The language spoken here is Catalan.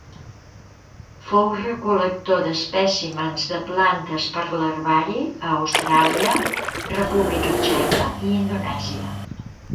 Fou recol·lector d'espècimens de plantes per l'herbari a Austràlia, República Txeca i Indonèsia.